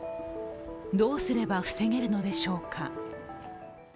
どうすれば防げるのでしょうか。